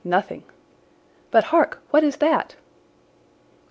"Nothing." "But, hark, what is that?"